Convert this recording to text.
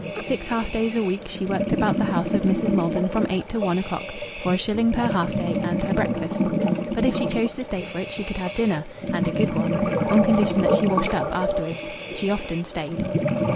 Six half days a week she worked about the house of Mrs. Maldon from eight to one o'clock, for a shilling per half day and her breakfast. But if she chose to stay for it she could have dinner and a good one on condition that she washed up afterwards. She often stayed.